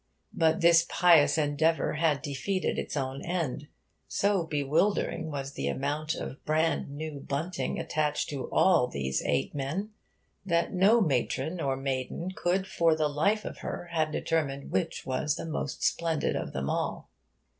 But this pious endeavour had defeated its own end. So bewildering was the amount of brand new bunting attached to all these eight men that no matron or maiden could for the life of her have determined which was the most splendid of them all.